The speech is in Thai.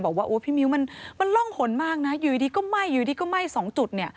บอกว่าพี่มิวมันร่องหล่นมากนะอยู่ดีก็ไหม้๒จุด